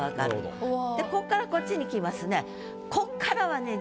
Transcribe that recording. こっからこっちにきますね。